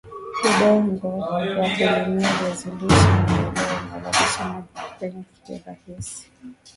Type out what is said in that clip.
udongo wa kulimia viazi lishe ni ule unaoruhusu maji kupenya kirahisi